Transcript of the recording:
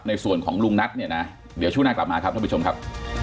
ในส่วนของลุงนัทเนี่ยนะเดี๋ยวช่วงหน้ากลับมาครับท่านผู้ชมครับ